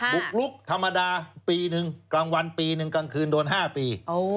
บุกลุกธรรมดาปี๑กลางวันปี๑กลางคืนโดน๕ปี